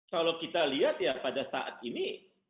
kalau kita lihat ya pada saat ini